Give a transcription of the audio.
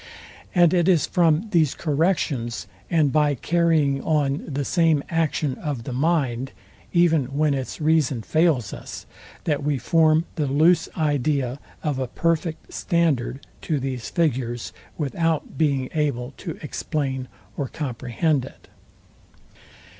And it is from these corrections, and by carrying on the same action of the mind, even when its reason fails us, that we form the loose idea of a perfect standard to these figures, without being able to explain or comprehend it.